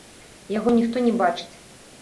Яго ніхто не бачыць.